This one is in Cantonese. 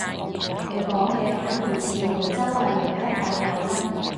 佢講嘅反而似梅州惠陽一帶嘅口音